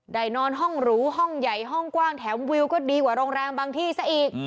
นอนห้องหรูห้องใหญ่ห้องกว้างแถมวิวก็ดีกว่าโรงแรมบางที่ซะอีก